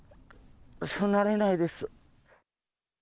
そうなれないです。